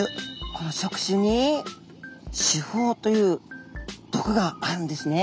この触手に刺胞という毒があるんですね。